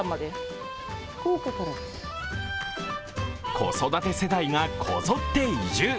子育て世代がこぞって移住。